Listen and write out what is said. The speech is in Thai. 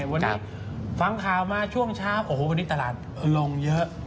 วันนี้ฟังข่าวมาช่วงเช้าโอ้โหวันนี้ตลาดลงเยอะ